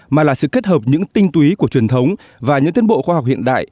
mà là sự kết hợp những tinh túy của truyền thống và những tiến bộ khoa học hiện đại